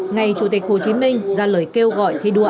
ngày chủ tịch hồ chí minh ra lời kêu gọi thi đua